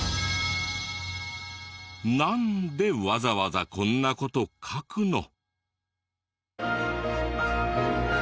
なんでわざわざこんな事書くの？